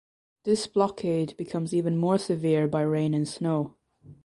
This blockade becomes even more severe by rain and snow.